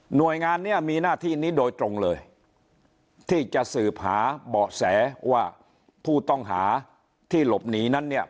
หน่วยงานเนี่ยมีหน้าที่นี้โดยตรงเลยที่จะสืบหาเบาะแสว่าผู้ต้องหาที่หลบหนีนั้นเนี่ย